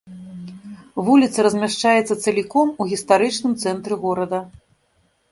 Вуліца размяшчаецца цаліком у гістарычным цэнтры горада.